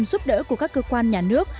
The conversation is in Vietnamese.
giúp đỡ của các cơ quan nhà nước